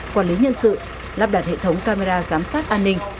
quản lý nhân sự lắp đặt hệ thống camera giám sát an ninh